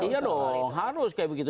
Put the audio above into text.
iya dong harus kayak begitu